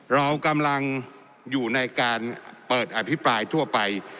เรากำลังอยู่ในการเปิดอภิปรายทั่วไป